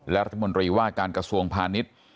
และรัฐมนตรีว่าการกระทรวงพาณิชย์